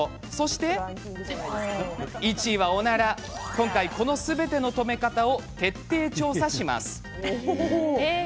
今回、このすべての止め方を徹底調査します！